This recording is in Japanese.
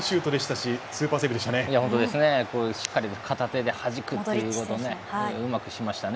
しっかり片手で、はじくっていううまくしましたね。